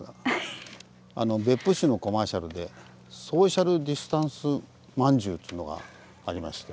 別府市のコマーシャルで「ソーシャルディスタンス饅頭」っつうのがありまして。